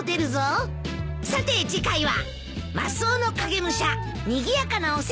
さて次回は。